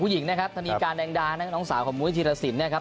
ผู้หญิงนะครับธนีการแดงดาน้องสาวของมูลธิรศิลป์